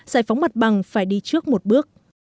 giải phóng mặt bằng phải đi trước một bước